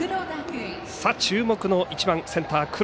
注目の１番センター